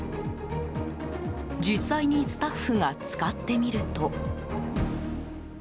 実際にスタッフが使ってみると。